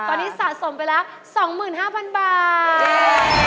ตอนนี้สะสมไปแล้ว๒๕๐๐๐บาท